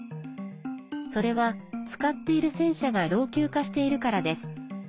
それは使っている戦車が老朽化しているからです。